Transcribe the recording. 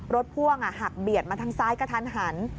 พ่วงหักเบียดมาทางซ้ายกระทันหัน